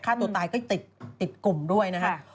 ฆ่าตัวตายก็ติดกลุ่มด้วยนะครับ